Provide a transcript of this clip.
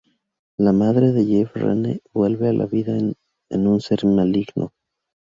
La madre de Jeff, Renee, vuelve a la vida en un ser maligno.